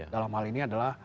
dalam hal ini adalah